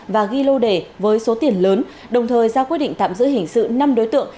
và ghi lô đề với số tiền lớn đồng thời ra quyết định tạm giữ hình sự năm đối tượng